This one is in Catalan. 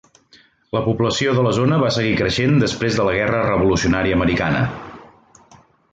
La població de la zona va seguir creixent després de la guerra revolucionària americana.